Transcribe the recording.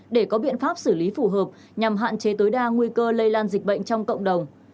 để có biện pháp xử lý phù hợp nhằm hạn chế tối đa nguy cơ lây lan dịch bệnh trong cộng đồng